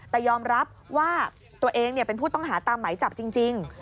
แต่ยอมรับว่าตัวเองเป็นผู้ต้องหาตามหมายจับจริง